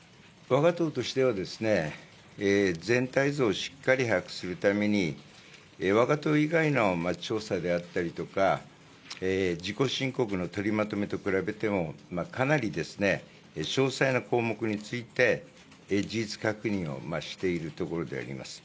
わが党としては、全体像をしっかり把握するために、わが党以外の調査であったりとか、自己申告の取りまとめと比べても、かなりですね、詳細な項目について、事実確認をしているところであります。